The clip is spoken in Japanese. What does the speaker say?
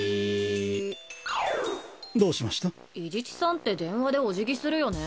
伊地知さんって電話でお辞儀するよね。